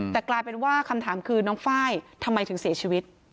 แต่กลายเป็นว่าคำถามคือน้องไฟล์ทำไมถึงเสียชีวิต